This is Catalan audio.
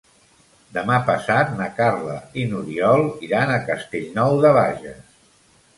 Demà passat na Carla i n'Oriol iran a Castellnou de Bages.